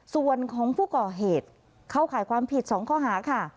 ส่วนของผู้ก่อเหตุเข้าข่ายความผิด๒ข้อหาค่ะ